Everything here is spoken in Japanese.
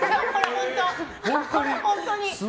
これは本当に。